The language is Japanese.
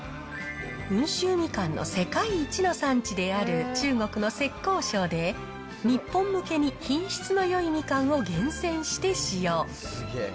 温州みかんの世界一の産地である中国の浙江省で、日本向けに品質のよいみかんを厳選して使用。